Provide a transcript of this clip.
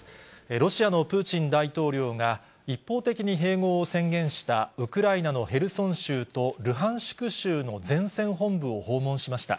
ロシアのプーチン大統領が一方的に併合を宣言したウクライナのヘルソン州とルハンシク州の前線本部を訪問しました。